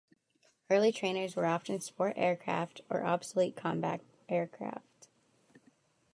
Early trainers were often sport aircraft or obsolete combat aircraft.